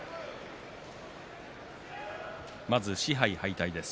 まず賜盃拝戴です。